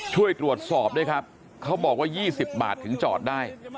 ช่วยตรวจสอบด้วยครับเขาบอกว่า๒๐บาทถึงจอดได้